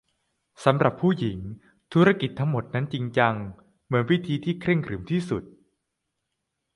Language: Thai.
สำหรับผู้หญิงธุรกิจทั้งหมดนั้นจริงจังเหมือนพิธีที่เคร่งขรึมที่สุด